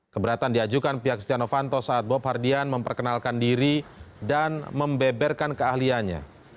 keberatan diajukan pihak stiano fanto saat bob hardian memperkenalkan diri dan membeberkan keahliannya